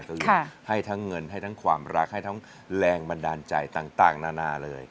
ก็คือให้ทั้งเงินให้ทั้งความรักให้ทั้งแรงบันดาลใจต่างนานาเลย